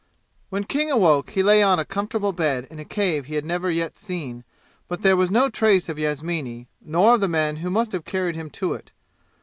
When King awoke he lay on a comfortable bed in a cave he had never yet seen, but there was no trace of Yasmini, nor of the men who must have carried him to it.